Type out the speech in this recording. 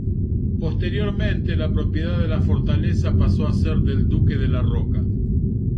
Posteriormente la propiedad de la fortaleza pasó a ser del Duque de la Roca.